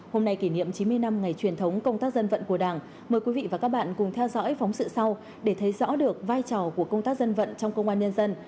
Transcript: hôm nay kỷ niệm chín mươi năm ngày truyền thống công tác dân vận của đảng mời quý vị và các bạn cùng theo dõi phóng sự sau để thấy rõ được vai trò của công tác dân vận trong công an nhân dân